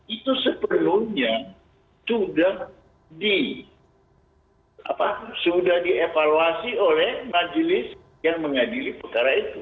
itu sepenuhnya sudah dievaluasi oleh majelis yang mengadili putara itu